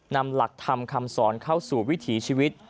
นำหลักธรรมคำสอนเข้าสู่วิถีชีวิต